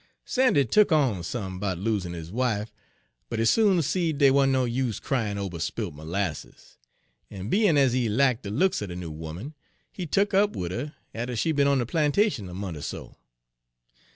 Sandy tuk on some 'bout losin' his wife, but he soon seed dey want no use cryin' ober Page 43 spilt merlasses; en bein' ez he lacked de looks er de noo 'oman, he tuk up wid her atter she'd be'n on de plantation a mont' er so.